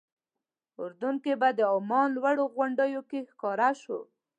اردن کې به د عمان لوړو غونډیو کې ښکاره شو.